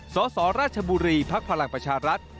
สสราชบุรีภักดิ์พลังประชารัฐ